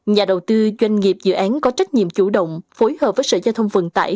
nhà đầu tư doanh nghiệp dự án có trách nhiệm chủ động phối hợp với sở giao thông vận tải